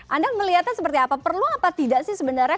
anda melihatnya seperti apa perlu apa tidak sih sebenarnya